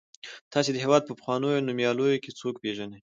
تاسې د هېواد په پخوانیو نومیالیو کې څوک پیژنئ.